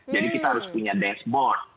jadi kita harus punya dashboard